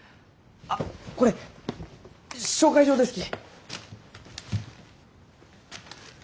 あこれ紹介状ですき！